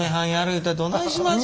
言うたらどないします？